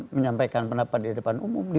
menyampaikan pendapat di depan umum